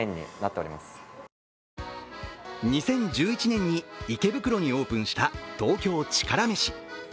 ２０１１年に池袋にオープンした東京チカラめし。